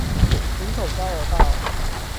嶺口交流道